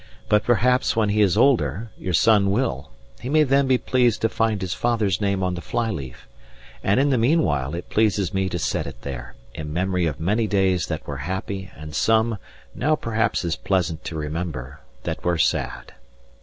But perhaps when he is older, your son will; he may then be pleased to find his father's name on the fly leaf; and in the meanwhile it pleases me to set it there, in memory of many days that were happy and some (now perhaps as pleasant to remember) that were sad.